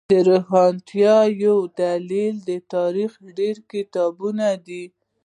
د روښانتیا یو دلیل د تاریخ ډیر کتابونه دی